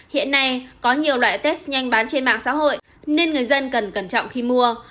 hiện nay có nhiều loại test nhanh bán trên mạng xã hội nên người dân cần cẩn trọng khi mua